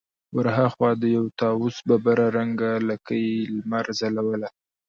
ور هاخوا د يوه طاوس ببره رنګه لکۍ لمر ځلوله.